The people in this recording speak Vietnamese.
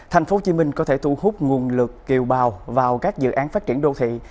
thành phố hồ chí minh có thể thu hút nguồn lực kiều bào vào các dự án phát triển đô thị